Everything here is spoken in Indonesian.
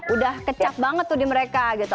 udah kecap banget tuh di mereka gitu